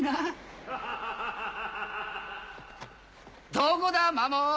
どこだマモー！